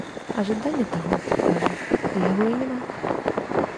А жаданне таго, кажа, у яго і няма.